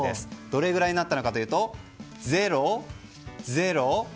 どれぐらいになったのかというと０、０、４。